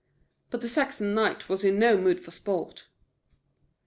But the Saxon knight was in no mood for sport.